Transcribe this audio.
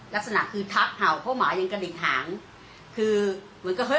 ลักษณะคือทับเห่าเพราะหมายังกระดิ่งหางคือเหมือนกับเฮ้